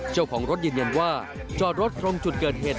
เจ้าของรถยืนยันว่าจอดรถตรงจุดเกิดเหตุ